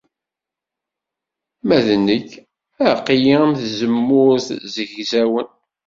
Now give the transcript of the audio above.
Ma d nekk, aql-i am tzemmurt zegzawen.